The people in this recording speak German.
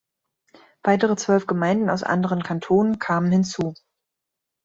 Weitere zwölf Gemeinden aus anderen Kantonen kamen hinzu.